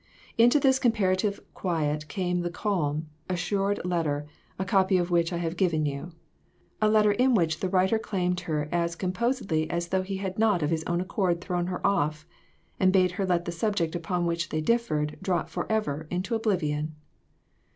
Into this comparative quiet came the calm, assured letter, a copy of which I have given you. A letter in which the writer claimed her as com posedly as though he had not of his own accord thrown her off and bade her let the subject upon which they differed, drop forever into oblivion